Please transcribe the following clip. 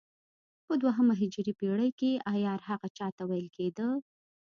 په دوهمه هجري پېړۍ کې عیار هغه چا ته ویل کېده.